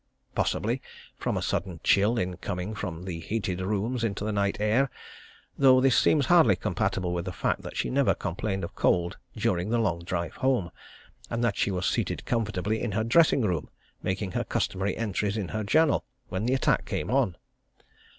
Possibly from a sudden chill in coming from the heated rooms into the night air, though this seems hardly compatible with the fact that she never complained of cold during the long drive home, and that she was seated comfortably in her dressing room, making her customary entries in her journal, when the attack came on.